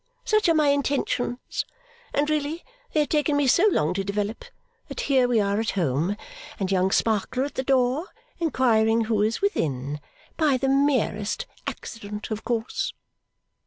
Such are my intentions. And really they have taken me so long to develop, that here we are at home. And Young Sparkler at the door, inquiring who is within. By the merest accident, of course!